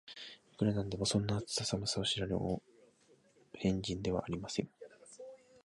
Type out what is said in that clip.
いくら何でも、そんな、暑さ寒さを知らぬお変人ではありません